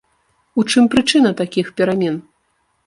У чым прычына такіх перамен?